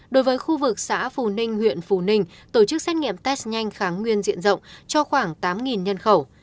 đối với khu vực xã phù ninh huyện phù ninh tổ chức xét nghiệm test nhanh kháng nguyên diện rộng cho khoảng tám nhân khẩu